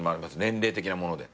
年齢的なもので。